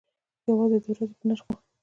یوازې د ورځې په نرخ نه و.